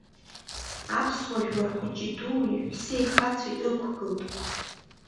Аԥсуа жәлар хәыҷи-дуи, ҳәсеи-хацәеи ықәгылт.